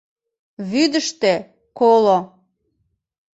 Вӱдыштӧ — коло...